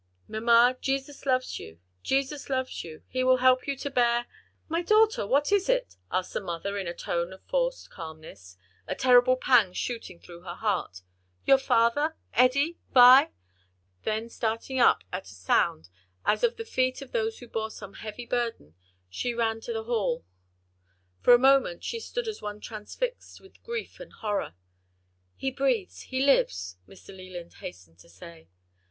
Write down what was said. Mamma, Jesus loves you, Jesus loves you! He will help you to bear " "My daughter, what is it?" asked the mother in a tone of forced calmness, a terrible pang shooting through her heart, "your father? Eddie? Vi?" then starting up at a sound as of the feet of those who bore some heavy burden, she ran into the hail. For a moment she stood as one transfixed with grief and horror. "He breathes, he lives," Mr. Leland hastened to say.